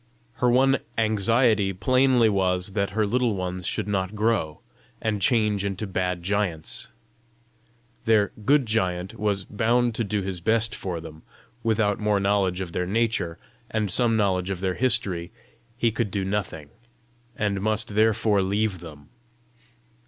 Her one anxiety plainly was, that her Little Ones should not grow, and change into bad giants! Their "good giant" was bound to do his best for them: without more knowledge of their nature, and some knowledge of their history, he could do nothing, and must therefore leave them!